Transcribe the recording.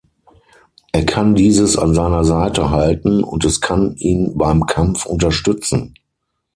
Er kann dieses an seiner Seite halten und es kann ihn beim Kampf unterstützen.